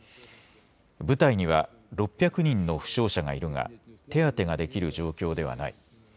部隊には６００人の負傷者がいるが手当てができる状況ではない。